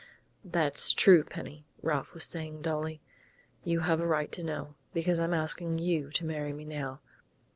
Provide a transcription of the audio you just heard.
"That's true, Penny," Ralph was saying dully. "You have a right to know, because I'm asking you to marry me now....